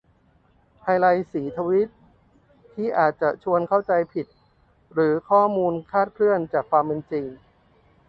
ไฮไลต์สีทวีตที่อาจจะชวนเข้าใจผิดหรือข้อมูลคลาดเคลื่อนจากความเป็นจริง